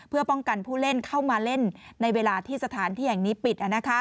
เพื่อป้องกันผู้เล่นเข้ามาเล่นในเวลาที่สถานที่แห่งนี้ปิด